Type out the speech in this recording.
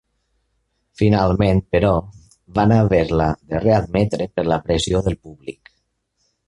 Finalment, però, van haver-la de readmetre per la pressió del públic.